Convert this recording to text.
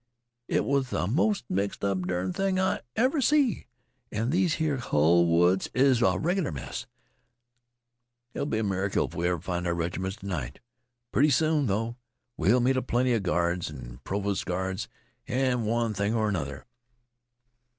It was th' most mixed up dern thing I ever see. An' these here hull woods is a reg'lar mess. It'll be a miracle if we find our reg'ments t' night. Pretty soon, though, we 'll meet a plenty of guards an' provost guards, an' one thing an' another.